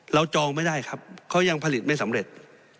จองไม่ได้ครับเขายังผลิตไม่สำเร็จ